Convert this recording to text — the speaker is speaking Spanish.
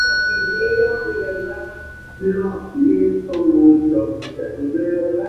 Morel, dijo que las autoridades gubernamentales han permitido construir solo en La Paz.